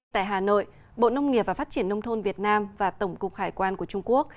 tại hà nội bộ nông nghiệp và phát triển nông thôn việt nam và tổng cục hải quan của trung quốc